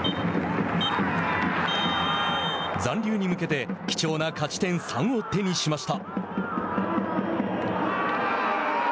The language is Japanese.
残留に向けて貴重な勝ち点３を手にしました。